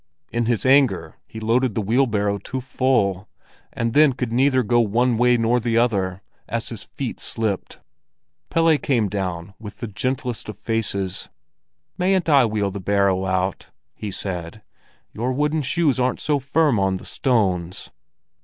In his anger he loaded the wheelbarrow too full, and then could neither go one way nor the other, as his feet slipped. Pelle came down with the gentlest of faces. "Mayn't I wheel the barrow out?" he said. "Your wooden shoes aren't so firm on the stones."